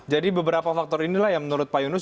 jadi beberapa faktor inilah yang menurut pak yunus